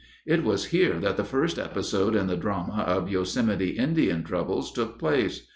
It was here that the first episode in the drama of Yosemite Indian troubles took place.